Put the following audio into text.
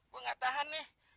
gue gak tahan nih